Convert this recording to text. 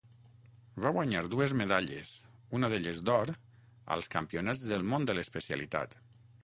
Va guanyar dues medalles, una d'elles d'or, als Campionats del món de l'especialitat.